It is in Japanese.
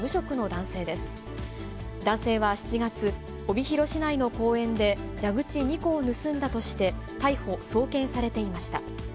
男性は７月、帯広市内の公園で、蛇口２個を盗んだとして逮捕・送検されていました。